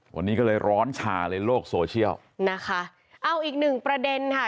วันนี้ก็เลยร้อนชาในโลกโซเชียลนะคะเอาอีกหนึ่งประเด็นค่ะ